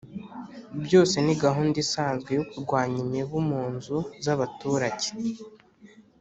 Byose ni gahunda isanzwe yo kurwanya imibu mu nzu z'abaturage.